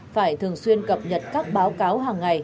phải thường xuyên cập nhật các báo cáo hàng ngày